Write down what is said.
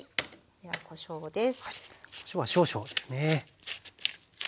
ではこしょうです。